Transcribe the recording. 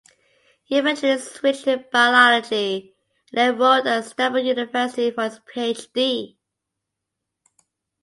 He eventually switched to biology and enrolled at Stanford University for his PhD.